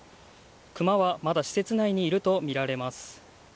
クマはまだ施設内にいるとみられます。